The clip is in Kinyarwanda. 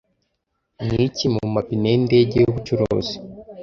Niki mumapine yindege yubucuruzi